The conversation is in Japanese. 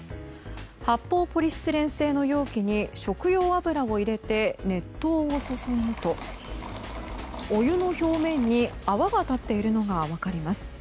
発泡ポリスチレン製の容器に食用油を入れて熱湯を注ぐとお湯の表面に泡が立っているのが分かります。